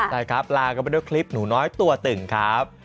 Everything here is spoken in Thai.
ใช่ครับลากันไปด้วยคลิปหนูน้อยตัวตึงครับ